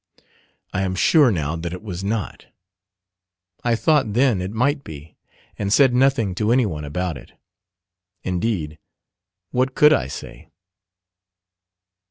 I am sure now that it was not. I thought then it might be, and said nothing to anyone about it. Indeed, what could I say?